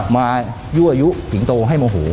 มายั่วยุสิงโตให้โมโห